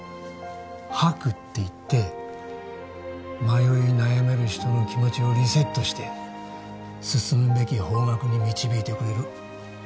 白っていって迷い悩める人の気持ちをリセットして進むべき方角に導いてくれるありがたいものなんです